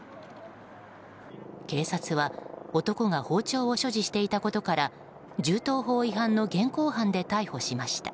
警察は男が包丁を所持していたことから銃刀法違反の現行犯で逮捕しました。